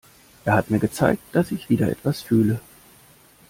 Es hat mir gezeigt, dass ich wieder etwas fühle.